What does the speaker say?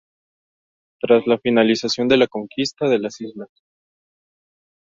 Tras la finalización de la conquista de las islas.